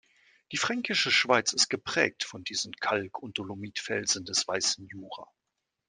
Die Fränkische Schweiz ist geprägt von diesen Kalk- und Dolomitfelsen des Weißen Jura.